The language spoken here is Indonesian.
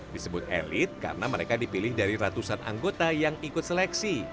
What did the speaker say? disebut elit karena mereka dipilih dari ratusan anggota yang ikut seleksi